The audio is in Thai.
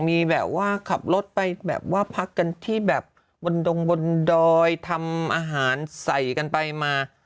มีแบบว่าขับรถไปแบบว่าพักกันที่แบบบนดงบนดอยทำอาหารใส่กันไปมา